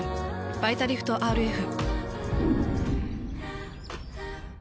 「バイタリフトＲＦ」。